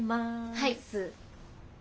はい。